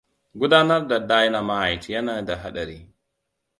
Gudanar da dynamite yana da haɗari.